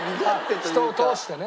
人を通してね。